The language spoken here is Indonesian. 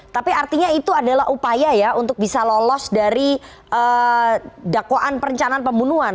tapi artinya itu adalah upaya ya untuk bisa lolos dari dakwaan perencanaan pembunuhan